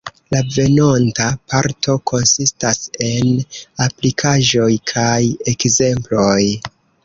La venonta parto konsistas en aplikaĵoj kaj ekzemploj.